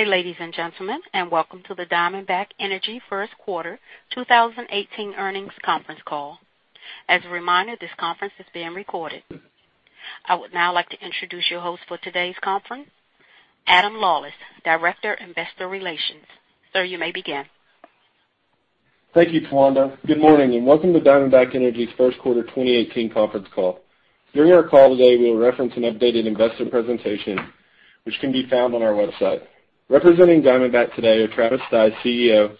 Good day, ladies and gentlemen, and welcome to the Diamondback Energy first quarter 2018 earnings conference call. As a reminder, this conference is being recorded. I would now like to introduce your host for today's conference, Adam Lawlis, Director, Investor Relations. Sir, you may begin. Thank you, Towanda. Good morning, and welcome to Diamondback Energy's first quarter 2018 conference call. During our call today, we will reference an updated investor presentation which can be found on our website. Representing Diamondback today are Travis Stice, CEO,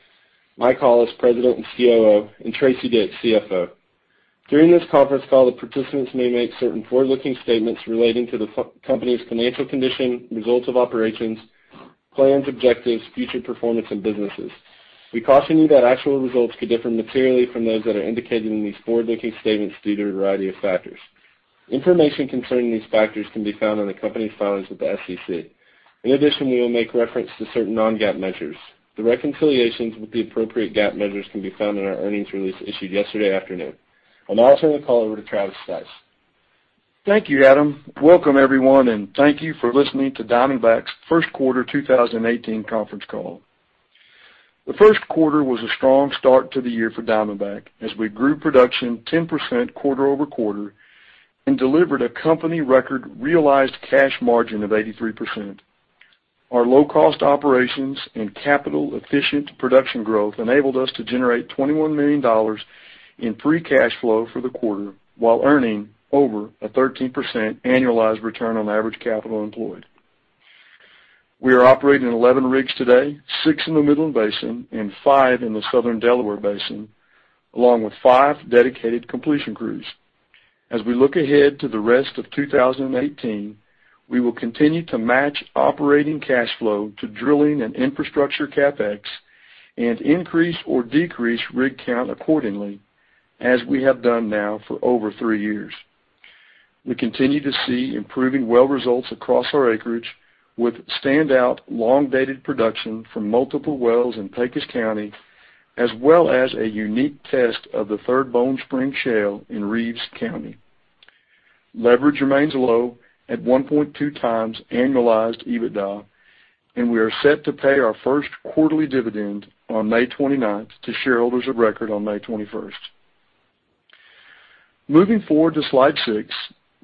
Mike Hollis is President and COO, and Tracy Dick, CFO. During this conference call, the participants may make certain forward-looking statements relating to the company's financial condition, results of operations, plans, objectives, future performance, and businesses. We caution you that actual results could differ materially from those that are indicated in these forward-looking statements due to a variety of factors. Information concerning these factors can be found in the company's filings with the SEC. In addition, we will make reference to certain non-GAAP measures. The reconciliations with the appropriate GAAP measures can be found in our earnings release issued yesterday afternoon. I'll now turn the call over to Travis Stice. Thank you, Adam. Welcome everyone, thank you for listening to Diamondback's first quarter 2018 conference call. The first quarter was a strong start to the year for Diamondback as we grew production 10% quarter-over-quarter and delivered a company record realized cash margin of 83%. Our low-cost operations and capital-efficient production growth enabled us to generate $21 million in free cash flow for the quarter, while earning over a 13% annualized return on average capital employed. We are operating 11 rigs today, six in the Midland Basin and five in the Southern Delaware Basin, along with five dedicated completion crews. As we look ahead to the rest of 2018, we will continue to match operating cash flow to drilling and infrastructure CapEx and increase or decrease rig count accordingly, as we have done now for over three years. We continue to see improving well results across our acreage with standout long-dated production from multiple wells in Pecos County, as well as a unique test of the Third Bone Spring shale in Reeves County. Leverage remains low at 1.2 times annualized EBITDA. We are set to pay our first quarterly dividend on May 29th to shareholders of record on May 21st. Moving forward to slide six,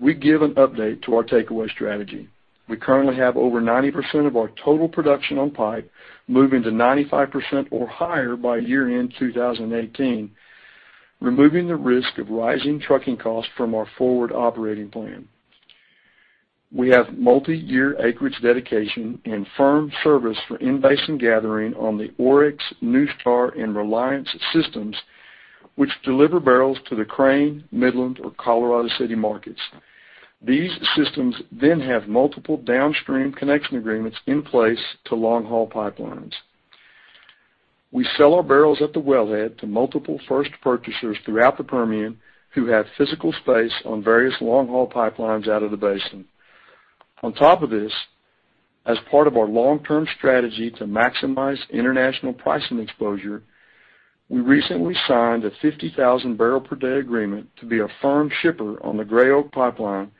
we give an update to our takeaway strategy. We currently have over 90% of our total production on pipe moving to 95% or higher by year-end 2018, removing the risk of rising trucking costs from our forward operating plan. We have multi-year acreage dedication and firm service for in-basin gathering on the Oryx, NuStar, and Reliance systems, which deliver barrels to the Crane, Midland, or Colorado City markets. These systems have multiple downstream connection agreements in place to long-haul pipelines. We sell our barrels at the wellhead to multiple first purchasers throughout the Permian who have physical space on various long-haul pipelines out of the basin. On top of this, as part of our long-term strategy to maximize international pricing exposure, we recently signed a 50,000-barrel-per-day agreement to be a firm shipper on the Gray Oak Pipeline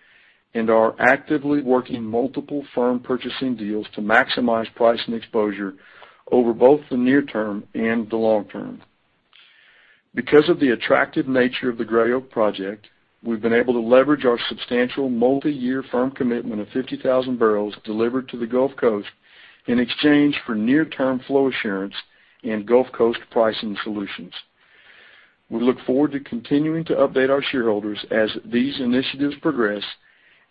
and are actively working multiple firm purchasing deals to maximize pricing exposure over both the near term and the long term. Because of the attractive nature of the Gray Oak project, we've been able to leverage our substantial multi-year firm commitment of 50,000 barrels delivered to the Gulf Coast in exchange for near-term flow assurance and Gulf Coast pricing solutions. We look forward to continuing to update our shareholders as these initiatives progress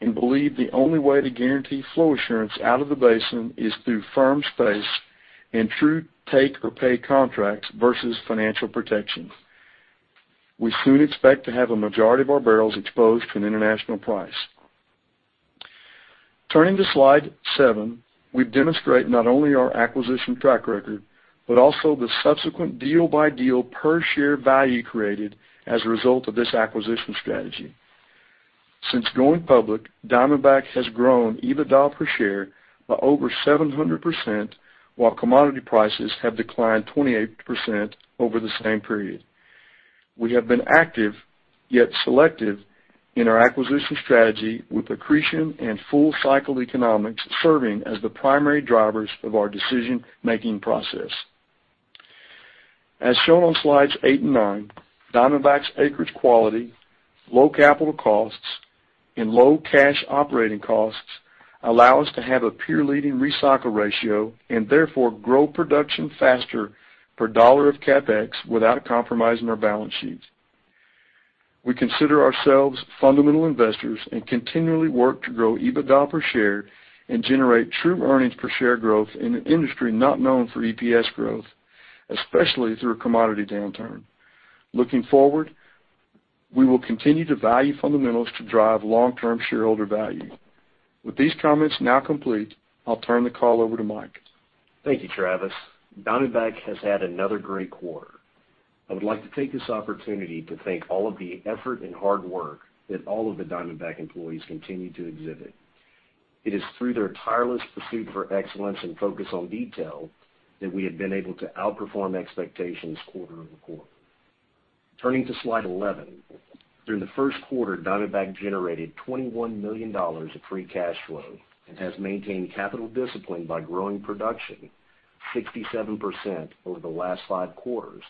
and believe the only way to guarantee flow assurance out of the basin is through firm space and true take-or-pay contracts versus financial protection. We soon expect to have a majority of our barrels exposed to an international price. Turning to slide seven, we demonstrate not only our acquisition track record, but also the subsequent deal-by-deal per share value created as a result of this acquisition strategy. Since going public, Diamondback has grown EBITDA per share by over 700%, while commodity prices have declined 28% over the same period. We have been active, yet selective in our acquisition strategy with accretion and full cycle economics serving as the primary drivers of our decision-making process. As shown on slides eight and nine, Diamondback's acreage quality, low capital costs, and low cash operating costs allow us to have a peer-leading recycle ratio, and therefore grow production faster per dollar of CapEx without compromising our balance sheet. We consider ourselves fundamental investors and continually work to grow EBITDA per share and generate true earnings per share growth in an industry not known for EPS growth, especially through a commodity downturn. Looking forward, we will continue to value fundamentals to drive long-term shareholder value. With these comments now complete, I'll turn the call over to Mike. Thank you, Travis. Diamondback has had another great quarter. I would like to take this opportunity to thank all of the effort and hard work that all of the Diamondback employees continue to exhibit. It is through their tireless pursuit for excellence and focus on detail that we have been able to outperform expectations quarter-over-quarter. Turning to slide 11. During the first quarter, Diamondback generated $21 million of free cash flow and has maintained capital discipline by growing production 67% over the last five quarters,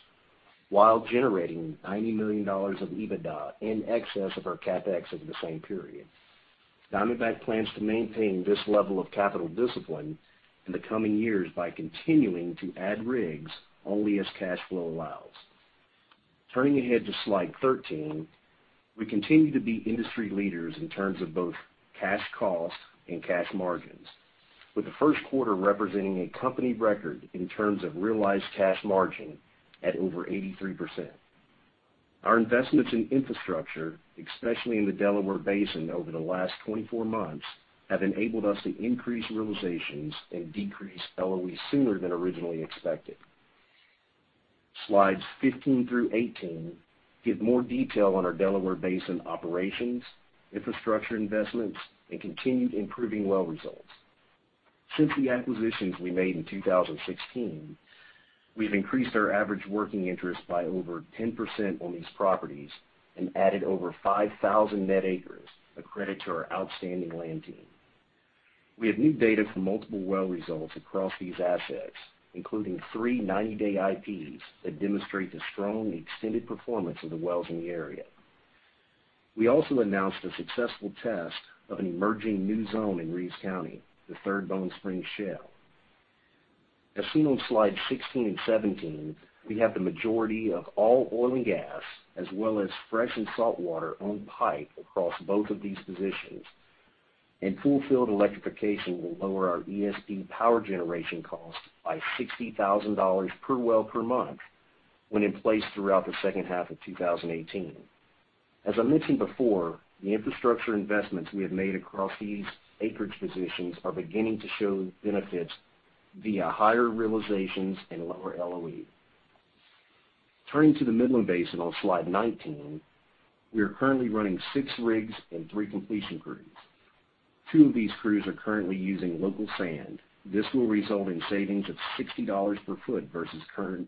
while generating $90 million of EBITDA in excess of our CapEx over the same period. Diamondback plans to maintain this level of capital discipline in the coming years by continuing to add rigs only as cash flow allows. Turning ahead to slide 13. We continue to be industry leaders in terms of both cash cost and cash margins, with the first quarter representing a company record in terms of realized cash margin at over 83%. Our investments in infrastructure, especially in the Delaware Basin over the last 24 months, have enabled us to increase realizations and decrease LOE sooner than originally expected. Slides 15 through 18 give more detail on our Delaware Basin operations, infrastructure investments, and continued improving well results. Since the acquisitions we made in 2016, we've increased our average working interest by over 10% on these properties and added over 5,000 net acres, a credit to our outstanding land team. We have new data from multiple well results across these assets, including three 90-day IPs that demonstrate the strong extended performance of the wells in the area. We also announced a successful test of an emerging new zone in Reeves County, the Third Bone Spring Shale. As seen on slides 16 and 17, we have the majority of all oil and gas, as well as fresh and saltwater on pipe across both of these positions, and full-field electrification will lower our ESP power generation cost by $60,000 per well per month, when in place throughout the second half of 2018. As I mentioned before, the infrastructure investments we have made across these acreage positions are beginning to show benefits via higher realizations and lower LOE. Turning to the Midland Basin on slide 19. We are currently running six rigs and three completion crews. Two of these crews are currently using local sand. This will result in savings of $60 per foot versus current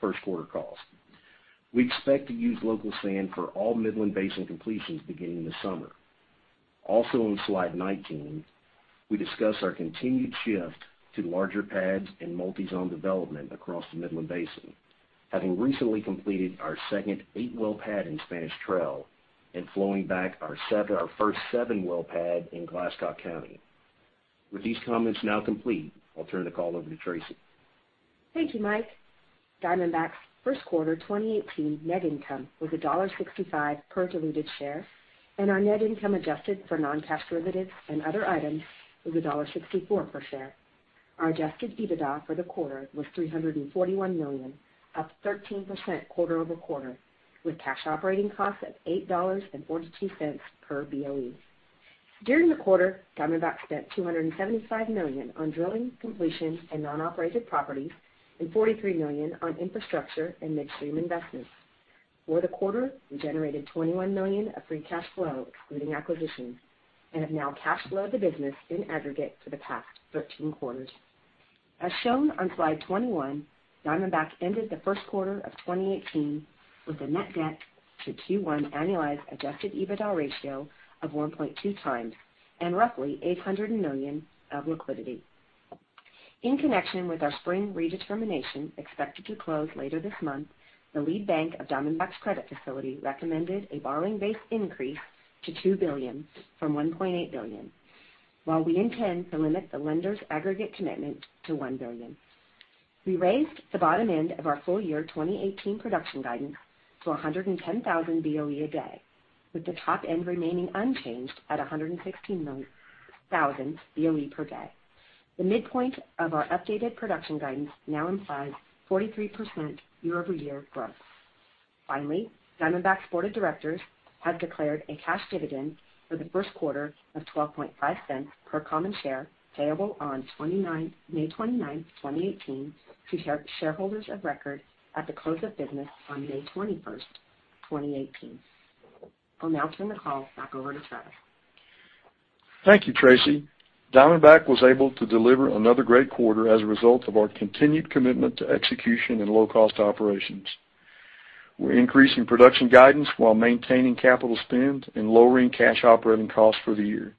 first quarter cost. We expect to use local sand for all Midland Basin completions beginning this summer. Also, on slide 19, we discuss our continued shift to larger pads and multi-zone development across the Midland Basin, having recently completed our second eight-well pad in Spanish Trail and flowing back our first seven-well pad in Glasscock County. With these comments now complete, I'll turn the call over to Tracy. Thank you, Mike. Diamondback's first quarter 2018 net income was $1.65 per diluted share, and our net income adjusted for non-cash derivatives and other items was $1.64 per share. Our adjusted EBITDA for the quarter was $341 million, up 13% quarter-over-quarter, with cash operating costs at $8.42 per BOE. During the quarter, Diamondback spent $275 million on drilling, completion, and non-operated properties and $43 million on infrastructure and midstream investments. For the quarter, we generated $21 million of free cash flow, excluding acquisitions, and have now cash flowed the business in aggregate for the past 13 quarters. As shown on slide 21, Diamondback ended the first quarter of 2018 with a net debt to Q1 annualized adjusted EBITDA ratio of 1.2 times and roughly $800 million of liquidity. In connection with our spring redetermination expected to close later this month, the lead bank of Diamondback's credit facility recommended a borrowing base increase to $2 billion from $1.8 billion, while we intend to limit the lender's aggregate commitment to $1 billion. We raised the bottom end of our full year 2018 production guidance to 110,000 BOE a day, with the top end remaining unchanged at 116,000 BOE per day. The midpoint of our updated production guidance now implies 43% year-over-year growth. Diamondback's board of directors has declared a cash dividend for the first quarter of $0.125 per common share, payable on May 29th, 2018, to shareholders of record at the close of business on May 21st, 2018. I'll now turn the call back over to Travis. Thank you, Tracy. Diamondback was able to deliver another great quarter as a result of our continued commitment to execution and low-cost operations. We're increasing production guidance while maintaining capital spend and lowering cash operating costs for the year.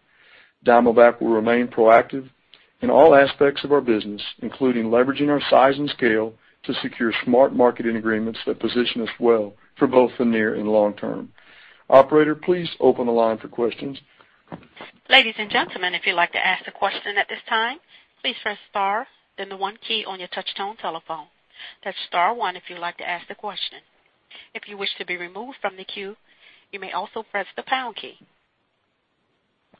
Diamondback will remain proactive in all aspects of our business, including leveraging our size and scale to secure smart marketing agreements that position us well for both the near and long term. Operator, please open the line for questions. Ladies and gentlemen, if you'd like to ask a question at this time, please press star, then the one key on your touch tone telephone. That's star one if you'd like to ask a question. If you wish to be removed from the queue, you may also press the pound key.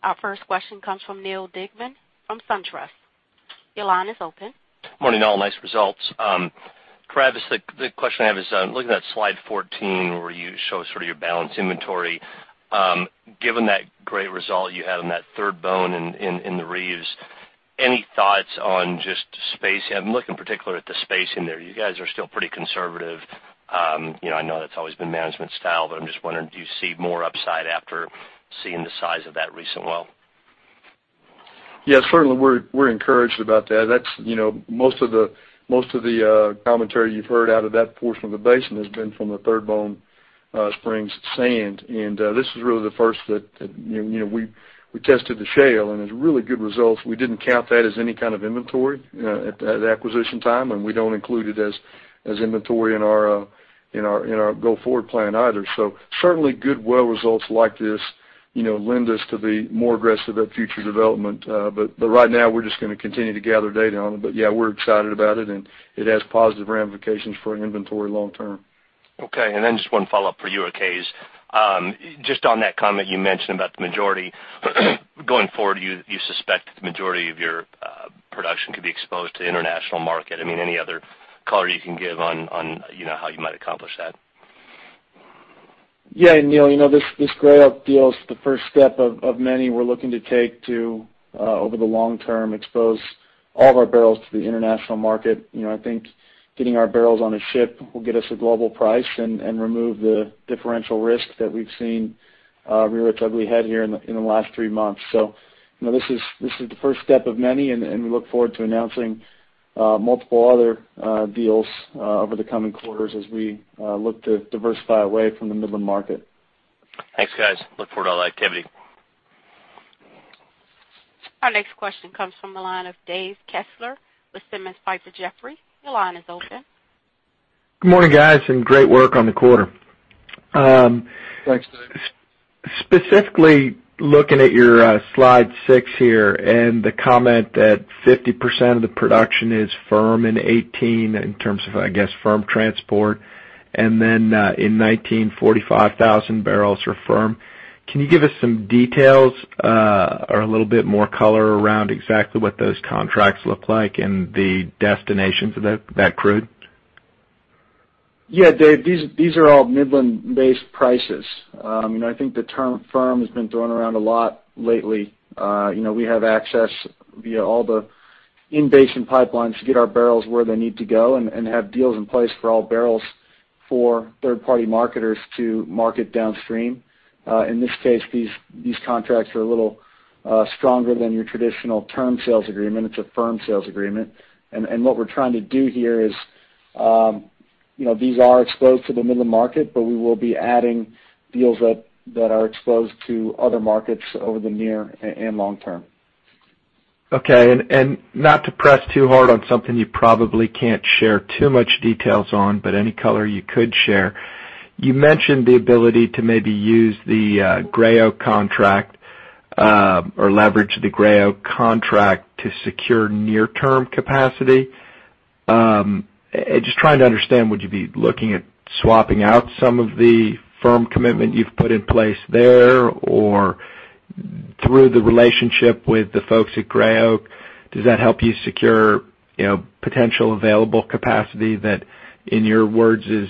Our first question comes from Neal D. Dingmann from SunTrust. Your line is open. Morning, all. Nice results. Travis, the question I have is looking at slide 14 where you show sort of your balance inventory. Given that great result you had on that Third Bone Spring in the Reeves, any thoughts on just spacing? I'm looking particularly at the spacing there. You guys are still pretty conservative. I know that's always been management style. I'm just wondering, do you see more upside after seeing the size of that recent well? Yes, certainly we're encouraged about that. Most of the commentary you've heard out of that portion of the basin has been from the Third Bone Spring sand. This is really the first that we tested the shale, and it's really good results. We didn't count that as any kind of inventory at acquisition time, and we don't include it as inventory in our go-forward plan either. Certainly good well results like this lend us to be more aggressive at future development. Right now we're just going to continue to gather data on it. Yeah, we're excited about it and it has positive ramifications for our inventory long term. Okay. Just one follow-up for you, Kaes. Just on that comment you mentioned about the majority going forward, you suspect that the majority of your production could be exposed to the international market. Any other color you can give on how you might accomplish that? Yeah, Neal, this Gray Oak deal is the first step of many we're looking to take to, over the long term, expose all of our barrels to the international market. I think getting our barrels on a ship will get us a global price and remove the differential risk that we've seen rear its ugly head here in the last three months. This is the first step of many, and we look forward to announcing multiple other deals over the coming quarters as we look to diversify away from the Midland market. Thanks, guys. Look forward to all the activity. Our next question comes from the line of Dave Kistler with Simmons & Company. Your line is open. Good morning, guys, and great work on the quarter. Thanks, Dave. Specifically looking at your slide six here and the comment that 50% of the production is firm in 2018 in terms of, I guess, firm transport, and then in 2019, 45,000 barrels are firm. Can you give us some details or a little bit more color around exactly what those contracts look like and the destinations of that crude? Yeah, Dave, these are all Midland-based prices. I think the term firm has been thrown around a lot lately. We have access via all the in-basin pipelines to get our barrels where they need to go and have deals in place for all barrels for third-party marketers to market downstream. In this case, these contracts are a little stronger than your traditional term sales agreement. It's a firm sales agreement. What we're trying to do here is, these are exposed to the Midland market, but we will be adding deals that are exposed to other markets over the near and long term. Okay. Not to press too hard on something you probably can't share too much details on, but any color you could share. You mentioned the ability to maybe use the Gray Oak contract or leverage the Gray Oak contract to secure near-term capacity. Just trying to understand, would you be looking at swapping out some of the firm commitment you've put in place there? Through the relationship with the folks at Gray Oak, does that help you secure potential available capacity that, in your words, is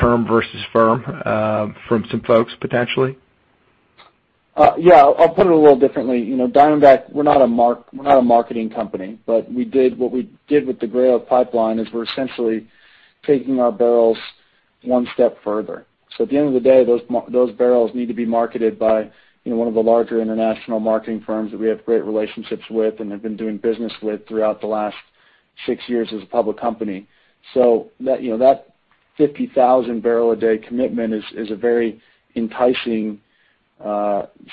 term versus firm from some folks potentially? Yeah, I'll put it a little differently. Diamondback, we're not a marketing company, but what we did with the Gray Oak Pipeline is we're essentially taking our barrels one step further. At the end of the day, those barrels need to be marketed by one of the larger international marketing firms that we have great relationships with and have been doing business with throughout the last six years as a public company. That 50,000-barrel-a-day commitment is a very enticing,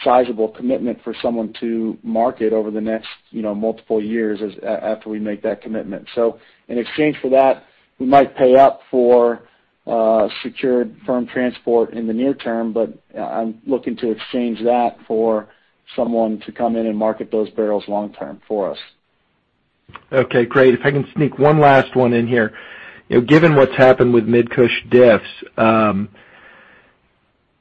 sizable commitment for someone to market over the next multiple years after we make that commitment. In exchange for that, we might pay up for secured firm transport in the near term, but I'm looking to exchange that for someone to come in and market those barrels long term for us. Okay, great. If I can sneak one last one in here. Given what's happened with Mid-Cush diffs,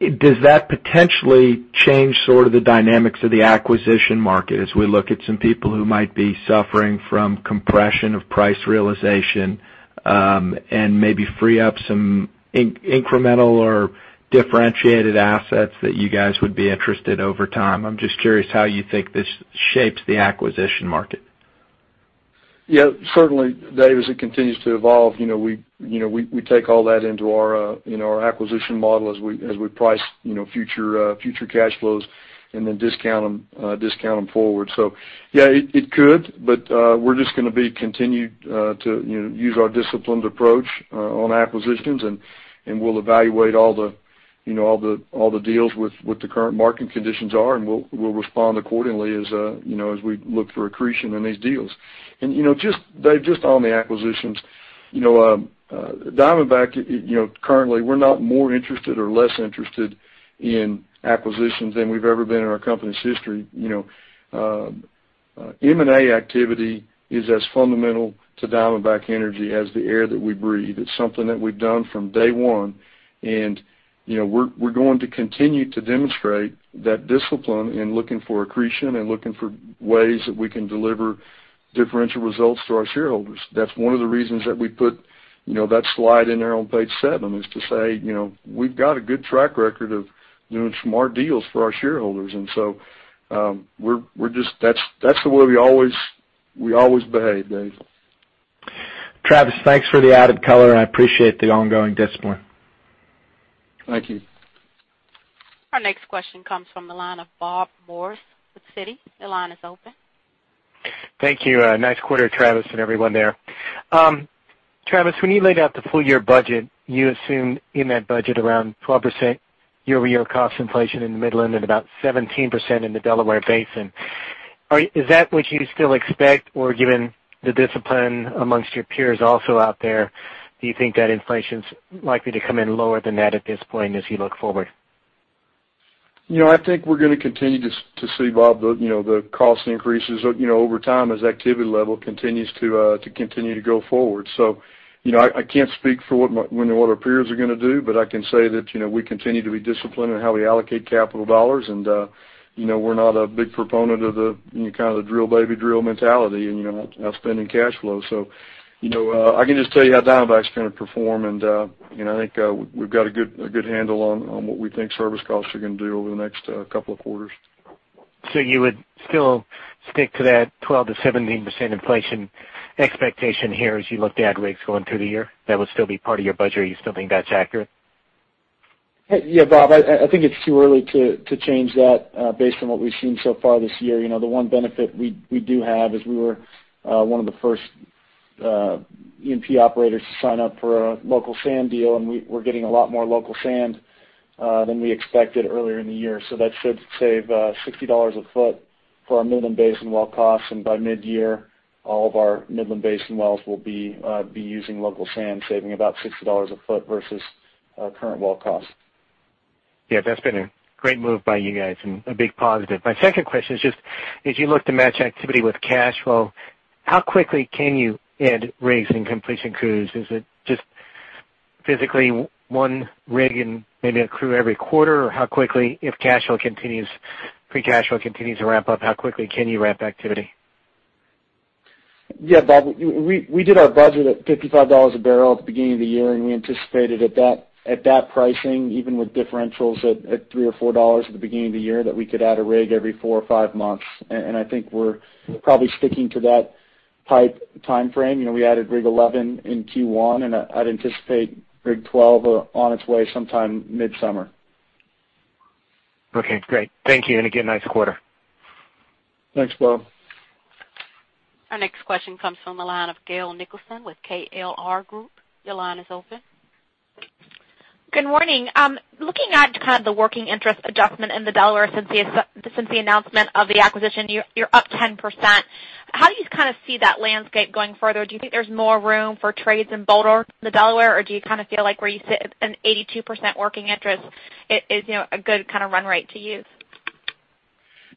does that potentially change sort of the dynamics of the acquisition market as we look at some people who might be suffering from compression of price realization and maybe free up some incremental or differentiated assets that you guys would be interested over time? I'm just curious how you think this shapes the acquisition market. Yeah. Certainly, Dave, as it continues to evolve, we take all that into our acquisition model as we price future cash flows and then discount them forward. Yeah, it could, but we're just going to continue to use our disciplined approach on acquisitions, and we'll evaluate all the deals with what the current market conditions are, and we'll respond accordingly as we look for accretion in these deals. Dave, just on the acquisitions, Diamondback, currently, we're not more interested or less interested in acquisitions than we've ever been in our company's history. M&A activity is as fundamental to Diamondback Energy as the air that we breathe. It's something that we've done from day one, and we're going to continue to demonstrate that discipline in looking for accretion and looking for ways that we can deliver differential results to our shareholders. That's one of the reasons that we put that slide in there on page seven, is to say, we've got a good track record of doing smart deals for our shareholders. That's the way we always behave, Dave. Travis, thanks for the added color, and I appreciate the ongoing discipline. Thank you. Our next question comes from the line of Bob Morris with Citi. Your line is open. Thank you. Nice quarter, Travis and everyone there. Travis, when you laid out the full year budget, you assumed in that budget around 12% year-over-year cost inflation in the Midland and about 17% in the Delaware Basin. Is that what you still expect? Given the discipline amongst your peers also out there, do you think that inflation's likely to come in lower than that at this point as you look forward? I think we're going to continue to see, Bob, the cost increases over time as activity level continues to go forward. I can't speak for what our peers are going to do, but I can say that we continue to be disciplined in how we allocate capital dollars, and we're not a big proponent of the kind of drill baby drill mentality, and outspending cash flow. I can just tell you how Diamondback's going to perform, and I think we've got a good handle on what we think service costs are going to do over the next couple of quarters. You would still stick to that 12%-17% inflation expectation here as you looked to add rigs going through the year? That would still be part of your budget, you still think that's accurate? Yeah, Bob, I think it's too early to change that based on what we've seen so far this year. The one benefit we do have is we were one of the first E&P operators to sign up for a local sand deal, and we're getting a lot more local sand than we expected earlier in the year. That should save $60 a foot for our Midland Basin well costs, and by mid-year, all of our Midland Basin wells will be using local sand, saving about $60 a foot versus our current well costs. Yeah, that's been a great move by you guys and a big positive. My second question is just, as you look to match activity with cash flow, how quickly can you add rigs and completion crews? Is it just physically one rig and maybe a crew every quarter? Or if free cash flow continues to ramp up, how quickly can you ramp activity? Yeah, Bob, we did our budget at $55 a barrel at the beginning of the year, and we anticipated at that pricing, even with differentials at three or four dollars at the beginning of the year, that we could add a rig every four or five months. I think we're probably sticking to that type timeframe. We added rig 11 in Q1, and I'd anticipate rig 12 on its way sometime mid-summer. Okay, great. Thank you. Again, nice quarter. Thanks, Bob. Our next question comes from the line of Gail Nicholson with KLR Group. Your line is open. Good morning. Looking at the working interest adjustment in the Delaware since the announcement of the acquisition, you're up 10%. How do you see that landscape going further? Do you think there's more room for trades in, the Delaware? Do you feel like where you sit at an 82% working interest is a good run rate to use?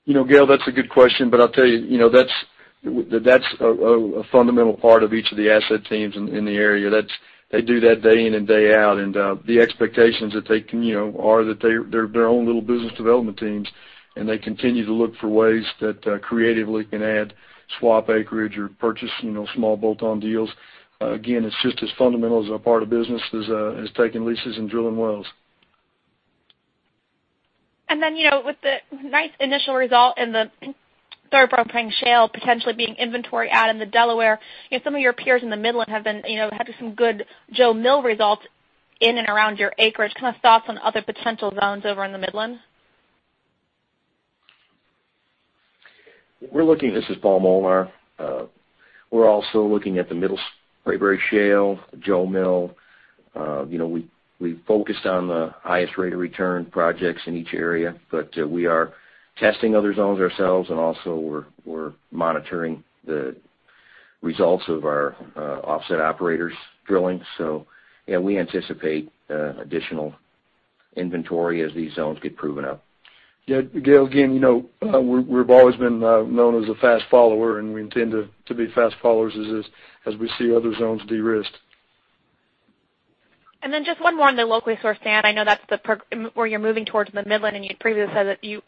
Gail, that's a good question. I'll tell you, that's a fundamental part of each of the asset teams in the area. They do that day in and day out, the expectations are that they're their own little business development teams, they continue to look for ways that creatively can add swap acreage or purchase small bolt-on deals. Again, it's just as fundamental as a part of business as taking leases and drilling wells. With the nice initial result in the Third Bone Spring shale potentially being inventory add in the Delaware, some of your peers in the Midland have had some good Jo Mill results in and around your acreage. Thoughts on other potential zones over in the Midland? This is Paul Molnar. We're also looking at the Middle Spraberry Shale, Jo Mill. We focused on the highest rate of return projects in each area, we are testing other zones ourselves, also we're monitoring the results of our offset operators' drilling. Yeah, we anticipate additional inventory as these zones get proven out. Yeah. Gail, again, we've always been known as a fast follower, we intend to be fast followers as we see other zones de-risked. Just one more on the locally sourced sand. I know that's where you're moving towards in the Midland, and you previously said that you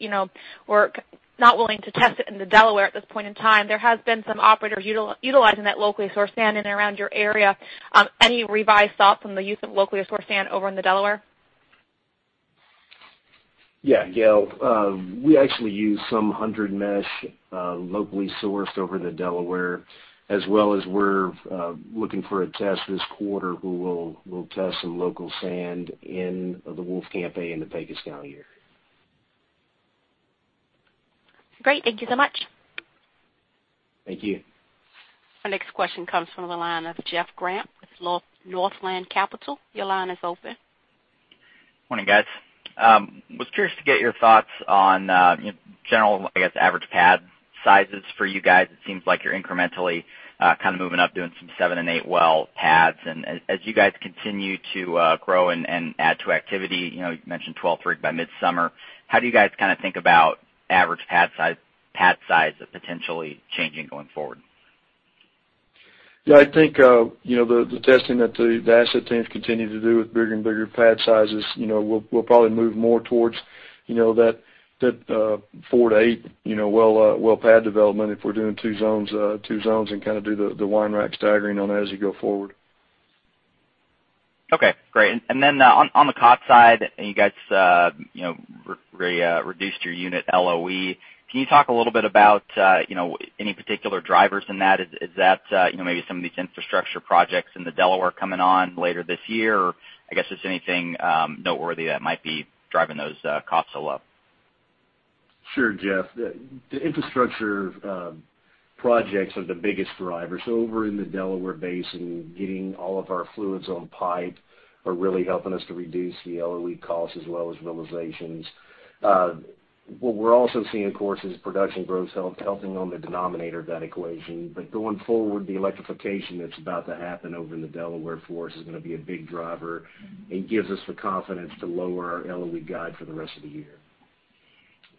were not willing to test it in the Delaware at this point in time. There has been some operators utilizing that locally sourced sand in and around your area. Any revised thoughts on the use of locally sourced sand over in the Delaware? Yeah, Gail. We actually use some 100 mesh, locally sourced over in the Delaware, as well as we're looking for a test this quarter where we'll test some local sand in the Wolfcamp A in the Pegasus area. Great. Thank you so much. Thank you. Our next question comes from the line of Jeff Grampp with Northland Capital. Your line is open. Morning, guys. Was curious to get your thoughts on general, I guess, average pad sizes for you guys. It seems like you're incrementally moving up doing some seven and eight well pads. As you guys continue to grow and add to activity, you mentioned 12 rig by midsummer, how do you guys think about average pad size potentially changing going forward? Yeah, I think the testing that the asset teams continue to do with bigger and bigger pad sizes, we'll probably move more towards that 4-8 well pad development if we're doing two zones, and do the wine rack staggering on that as you go forward. Okay, great. On the cost side, you guys reduced your unit LOE. Can you talk a little bit about any particular drivers in that? Is that maybe some of these infrastructure projects in the Delaware coming on later this year? Or I guess, just anything noteworthy that might be driving those costs so low? Sure, Jeff. The infrastructure projects are the biggest drivers over in the Delaware Basin. Getting all of our fluids on pipe are really helping us to reduce the LOE costs as well as realizations. What we're also seeing, of course, is production growth helping on the denominator of that equation. Going forward, the electrification that's about to happen over in the Delaware Basin is going to be a big driver and gives us the confidence to lower our LOE guide for the rest of the year.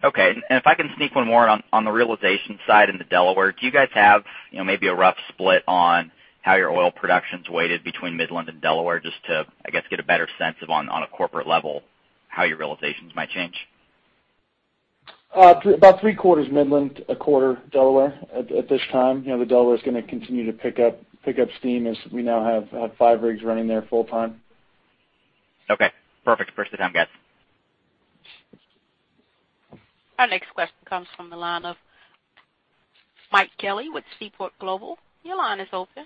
Okay. If I can sneak one more on the realization side in the Delaware, do you guys have maybe a rough split on how your oil production's weighted between Midland and Delaware just to, I guess, get a better sense of, on a corporate level, how your realizations might change? About three-quarters Midland, a quarter Delaware at this time. The Delaware's going to continue to pick up steam as we now have five rigs running there full time. Okay, perfect. First time guess. Our next question comes from the line of Mike Kelly with Seaport Global. Your line is open.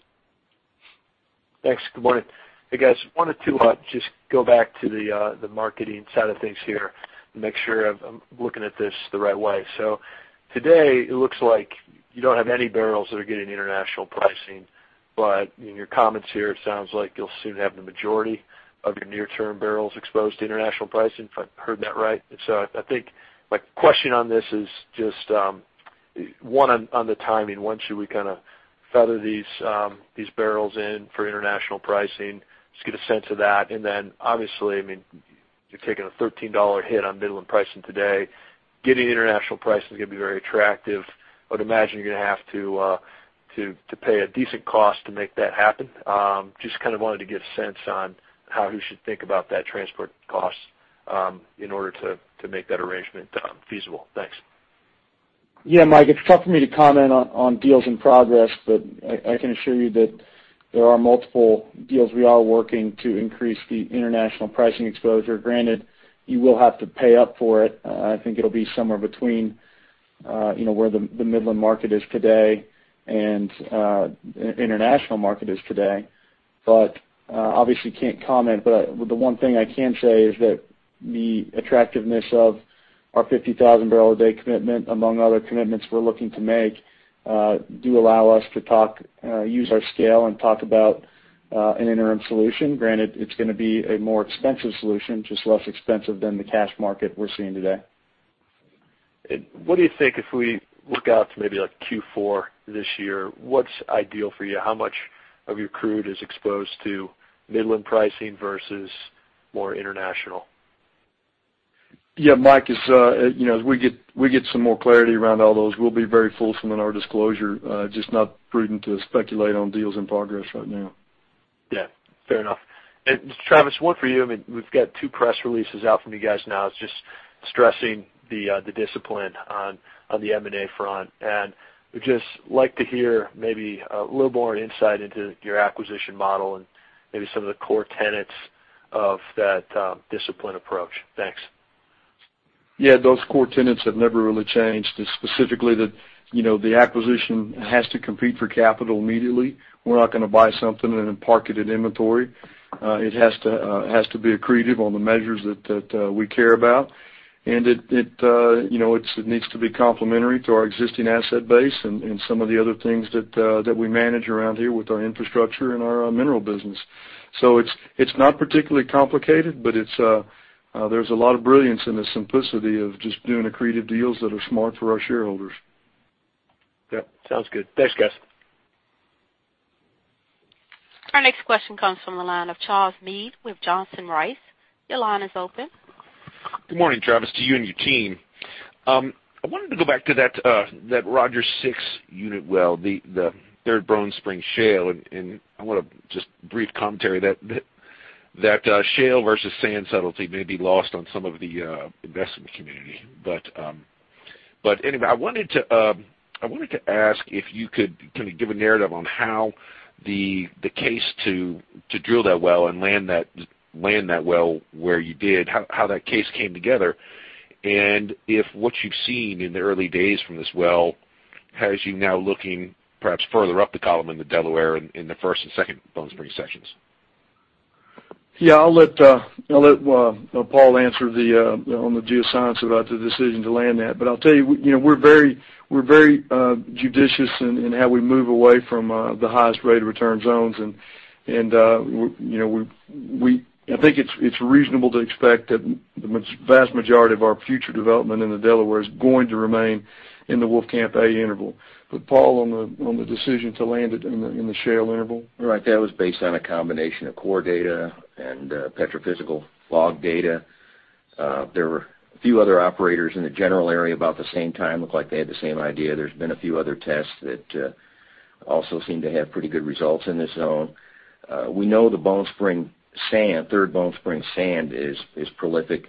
Thanks. Good morning. Hey, guys. Wanted to just go back to the marketing side of things here to make sure I'm looking at this the right way. Today, it looks like you don't have any barrels that are getting international pricing, but in your comments here, it sounds like you'll soon have the majority of your near-term barrels exposed to international pricing, if I heard that right. I think my question on this is just, one, on the timing. When should we kind of feather these barrels in for international pricing? Just get a sense of that. Then obviously, you're taking a $13 hit on Midland pricing today. Getting international pricing is going to be very attractive. I would imagine you're going to have to pay a decent cost to make that happen. Just wanted to get a sense on how we should think about that transport cost in order to make that arrangement feasible. Thanks. Yeah, Mike, it's tough for me to comment on deals in progress, but I can assure you that there are multiple deals we are working to increase the international pricing exposure. Granted, you will have to pay up for it. I think it'll be somewhere between where the Midland market is today and international market is today, but obviously can't comment. The one thing I can say is that the attractiveness of our 50,000 barrel a day commitment, among other commitments we're looking to make, do allow us to use our scale and talk about an interim solution. Granted, it's going to be a more expensive solution, just less expensive than the cash market we're seeing today. What do you think if we look out to maybe Q4 this year, what's ideal for you? How much of your crude is exposed to Midland pricing versus more international? Yeah, Mike, as we get some more clarity around all those, we'll be very fulsome in our disclosure. Just not prudent to speculate on deals in progress right now. Yeah, fair enough. Travis, one for you. We've got two press releases out from you guys now. It's just stressing the discipline on the M&A front. We'd just like to hear maybe a little more insight into your acquisition model and maybe some of the core tenets of that discipline approach. Thanks. Yeah, those core tenets have never really changed. Specifically that the acquisition has to compete for capital immediately. We're not going to buy something and then park it in inventory. It has to be accretive on the measures that we care about. It needs to be complementary to our existing asset base and some of the other things that we manage around here with our infrastructure and our mineral business. It's not particularly complicated, but there's a lot of brilliance in the simplicity of just doing accretive deals that are smart for our shareholders. Yep. Sounds good. Thanks, guys. Our next question comes from the line of Charles A. Meade with Johnson Rice & Company. Your line is open. Good morning, Travis Stice, to you and your team. I wanted to go back to that Rogers Six unit well, the Third Bone Spring shale, and I want to just brief commentary. That shale versus sand subtlety may be lost on some of the investment community. Anyway, I wanted to ask if you could give a narrative on how the case to drill that well and land that well where you did, how that case came together, and if what you've seen in the early days from this well has you now looking perhaps further up the column in the Delaware in the first and second Bone Spring sections. Yeah, I'll let Paul S. Molnar answer on the geoscience about the decision to land that. I'll tell you, we're very judicious in how we move away from the highest rate of return zones, and I think it's reasonable to expect that the vast majority of our future development in the Delaware is going to remain in the Wolfcamp A interval. Paul S. Molnar, on the decision to land it in the shale interval. Right. That was based on a combination of core data and petrophysical log data. There were a few other operators in the general area about the same time, looked like they had the same idea. There has been a few other tests that also seem to have pretty good results in this zone. We know the Third Bone Spring sand is prolific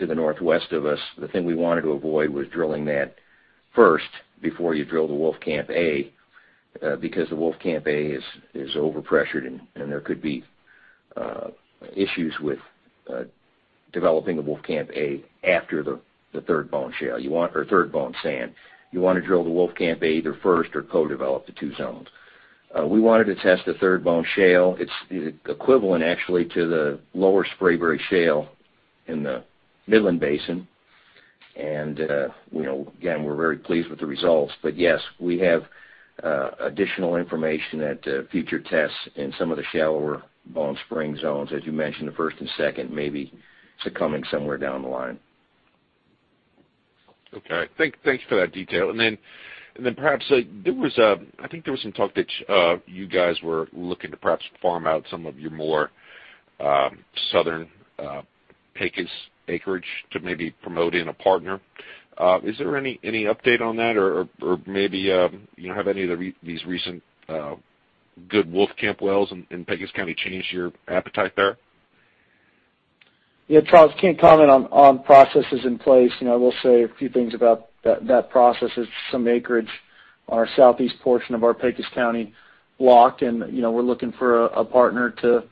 to the northwest of us. The thing we wanted to avoid was drilling that first before you drill the Wolfcamp A, because the Wolfcamp A is overpressured, and there could be issues with developing the Wolfcamp A after the Third Bone Spring sand. You want to drill the Wolfcamp A either first or co-develop the two zones. We wanted to test the Third Bone shale. It is equivalent, actually, to the Lower Spraberry shale in the Midland Basin. Again, we are very pleased with the results. Yes, we have additional information at future tests in some of the shallower Bone Spring zones, as you mentioned, the first and second, maybe somewhere down the line. Okay. Thanks for that detail. Perhaps, I think there was some talk that you guys were looking to perhaps farm out some of your more southern Pecos acreage to maybe promote in a partner. Is there any update on that? Maybe, have any of these recent good Wolfcamp wells in Pecos County changed your appetite there? Yeah, Charles, can't comment on processes in place. I will say a few things about that process. It is some acreage on our southeast portion of our Pecos County block, and we are looking for a partner to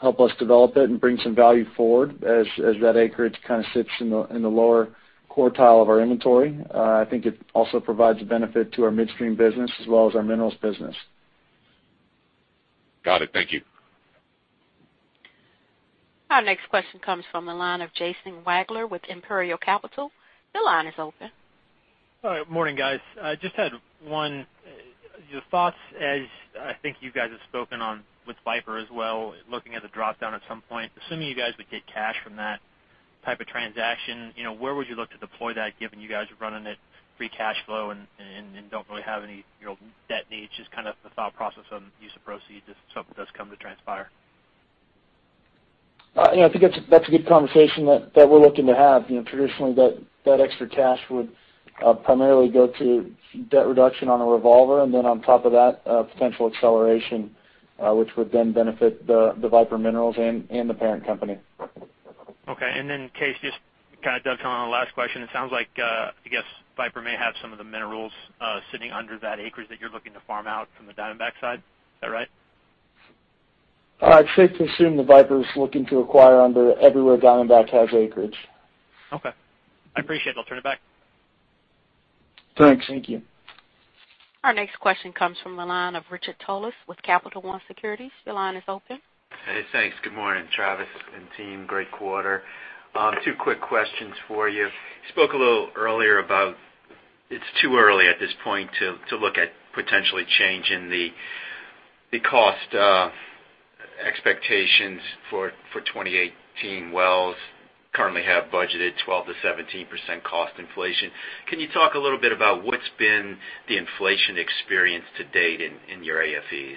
help us develop it and bring some value forward as that acreage sits in the lower quartile of our inventory. I think it also provides a benefit to our midstream business as well as our minerals business. Got it. Thank you. Our next question comes from the line of Jason Wangler with Imperial Capital. Your line is open. All right. Morning, guys. Just had one. Your thoughts as I think you guys have spoken on with Viper as well, looking at the drop-down at some point, assuming you guys would get cash from that type of transaction, where would you look to deploy that given you guys are running at free cash flow and don't really have any real debt needs? Just the thought process on use of proceeds if something does come to transpire. I think that's a good conversation that we're looking to have. Traditionally, that extra cash would primarily go to debt reduction on a revolver, and then on top of that, potential acceleration, which would then benefit the Viper Minerals and the parent company. Okay. Kaes, just dovetailing on the last question, it sounds like, I guess Viper may have some of the minerals sitting under that acreage that you're looking to farm out from the Diamondback side. Is that right? I'd say to assume that Viper's looking to acquire under everywhere Diamondback has acreage. Okay. I appreciate it. I'll turn it back. Thanks. Thank you. Our next question comes from the line of Richard Tullis with Capital One Securities. Your line is open. Hey, thanks. Good morning, Travis and team. Great quarter. Two quick questions for you. You spoke a little earlier about it's too early at this point to look at potentially changing the cost expectations for 2018 wells. Currently have budgeted 12%-17% cost inflation. Can you talk a little bit about what's been the inflation experience to date in your AFEs?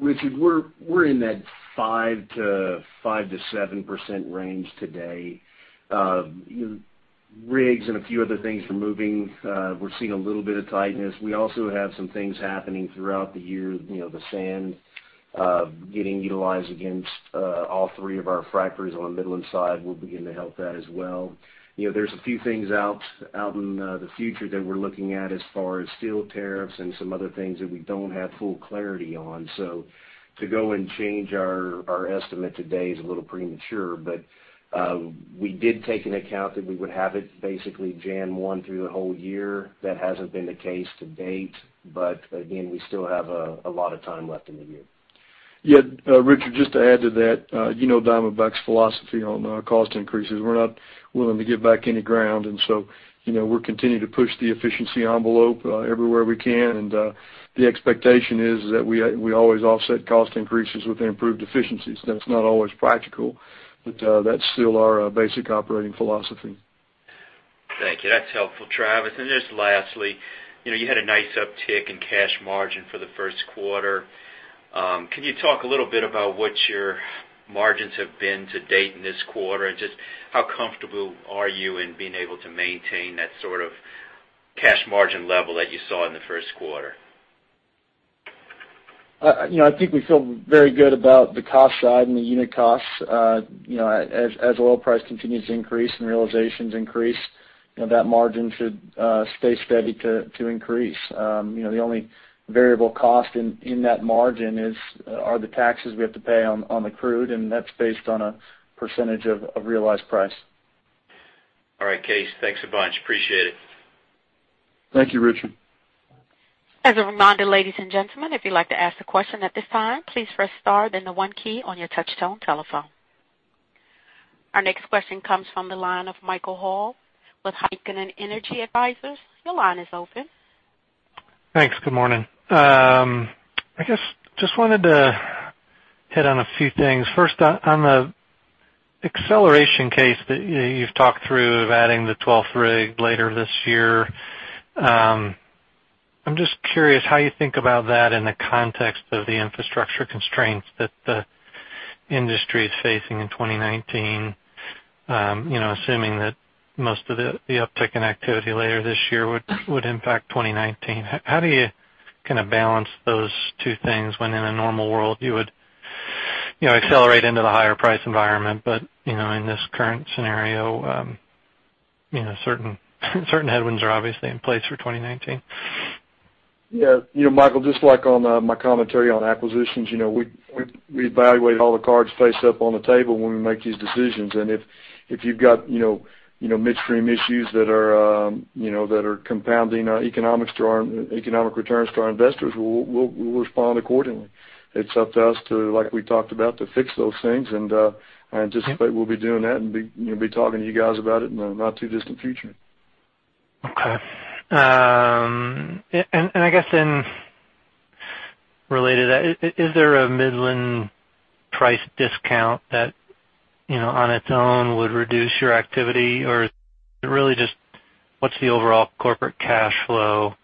Richard, we're in that 5%-7% range today. Rigs and a few other things are moving. We're seeing a little bit of tightness. We also have some things happening throughout the year, the sand getting utilized against all three of our frackers on the Midland side will begin to help that as well. There's a few things out in the future that we're looking at as far as steel tariffs and some other things that we don't have full clarity on. To go and change our estimate today is a little premature, but we did take into account that we would have it basically January 1 through the whole year. That hasn't been the case to date, but again, we still have a lot of time left in the year. Yeah, Richard, just to add to that, you know Diamondback's philosophy on cost increases. We're not willing to give back any ground, we're continuing to push the efficiency envelope everywhere we can, the expectation is that we always offset cost increases with improved efficiencies. That's not always practical, but that's still our basic operating philosophy. Thank you. That's helpful, Travis. Just lastly, you had a nice uptick in cash margin for the first quarter. Can you talk a little bit about what your margins have been to date in this quarter, and just how comfortable are you in being able to maintain that sort of cash margin level that you saw in the first quarter? I think we feel very good about the cost side and the unit costs. As oil price continues to increase and realizations increase, that margin should stay steady to increase. The only variable cost in that margin are the taxes we have to pay on the crude, and that's based on a percentage of realized price. All right, Kaes. Thanks a bunch. Appreciate it. Thank you, Richard. As a reminder, ladies and gentlemen, if you'd like to ask a question at this time, please press star then the one key on your touchtone telephone. Our next question comes from the line of Michael Hall with Heikkinen Energy Advisors. Your line is open. Thanks. Good morning. I guess just wanted to hit on a few things. First, on the acceleration case that you've talked through of adding the 12th rig later this year, I'm just curious how you think about that in the context of the infrastructure constraints that the industry is facing in 2019. Assuming that most of the uptick in activity later this year would impact 2019. In this current scenario, certain headwinds are obviously in place for 2019? Yeah. Michael, just like on my commentary on acquisitions, we evaluate all the cards face up on the table when we make these decisions. If you've got midstream issues that are compounding our economic returns to our investors, we'll respond accordingly. It's up to us to, like we talked about, to fix those things. I anticipate we'll be doing that and be talking to you guys about it in the not-too-distant future. Okay. I guess then, related, is there a Midland price discount that, on its own, would reduce your activity? Is it really just, what's the overall corporate cash flow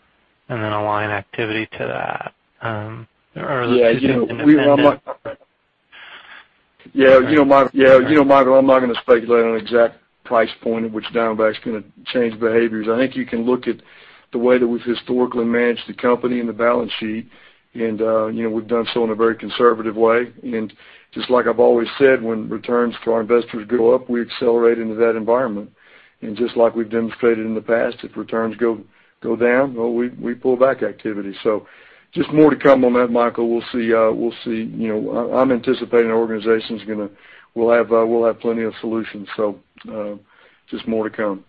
and then align activity to that? Are the two independent? Yeah. I'm not going to speculate on an exact price point at which Diamondback's going to change behaviors. I think you can look at the way that we've historically managed the company and the balance sheet, and we've done so in a very conservative way. Just like I've always said, when returns to our investors go up, we accelerate into that environment. Just like we've demonstrated in the past, if returns go down, well, we pull back activity. Just more to come on that, Michael. We'll see. We'll have plenty of solutions. Just more to come.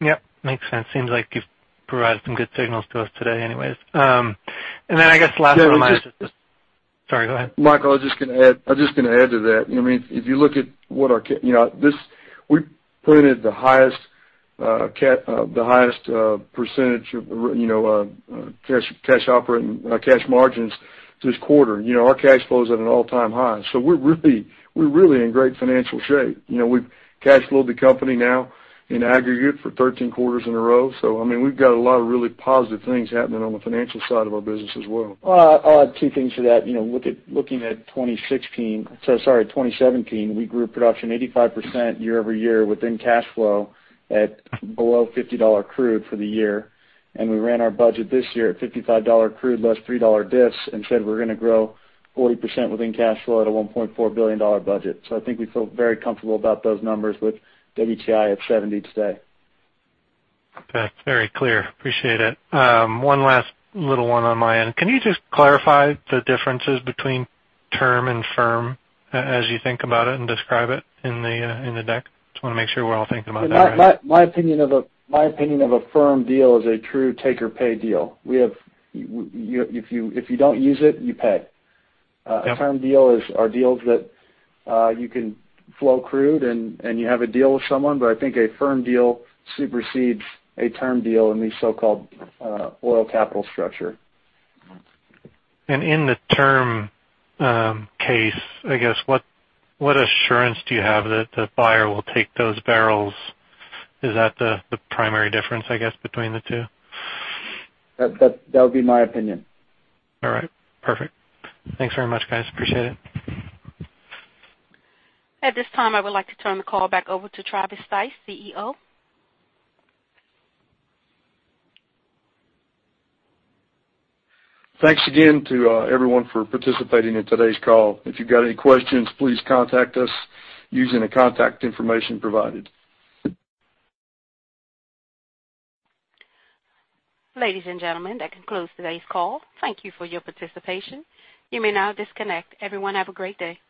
Yep. Makes sense. Seems like you've provided some good signals to us today anyways. I guess last one, I might just. Yeah. Sorry, go ahead. Michael, I was just going to add to that. We printed the highest percentage of cash margins this quarter. Our cash flow is at an all-time high. We're really in great financial shape. We've cash flowed the company now in aggregate for 13 quarters in a row. We've got a lot of really positive things happening on the financial side of our business as well. I'll add two things to that. Looking at 2016, sorry, 2017, we grew production 85% year-over-year within cash flow at below $50 crude for the year, we ran our budget this year at $55 crude less $3 diffs and said we're going to grow 40% within cash flow at a $1.4 billion budget. I think we feel very comfortable about those numbers with WTI at 70 today. Okay. Very clear. Appreciate it. One last little one on my end. Can you just clarify the differences between term and firm as you think about it and describe it in the deck? Just want to make sure we're all thinking about that right. My opinion of a firm deal is a true take or pay deal. If you don't use it, you pay. Yeah. Term deals are deals that you can flow crude and you have a deal with someone, I think a firm deal supersedes a term deal in the so-called oil capital structure. In the term case, I guess, what assurance do you have that the buyer will take those barrels? Is that the primary difference, I guess, between the two? That would be my opinion. All right. Perfect. Thanks very much, guys. Appreciate it. At this time, I would like to turn the call back over to Travis Stice, CEO. Thanks again to everyone for participating in today's call. If you've got any questions, please contact us using the contact information provided. Ladies and gentlemen, that concludes today's call. Thank you for your participation. You may now disconnect. Everyone have a great day.